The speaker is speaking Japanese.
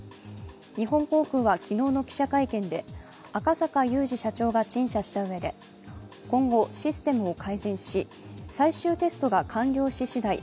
日本航空は昨日の記者会見で赤坂祐二社長が陳謝したうえで今後、システムを改善し最終テストが完了ししだい